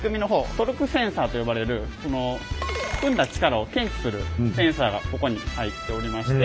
トルクセンサーと呼ばれるこの踏んだ力を検知するセンサーがここに入っておりまして